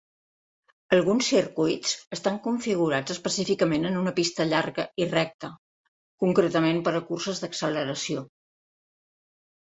Alguns circuits estan configurats específicament en una pista llarga i recta, concretament per a curses d'acceleració.